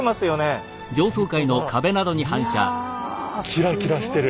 キラキラしてる。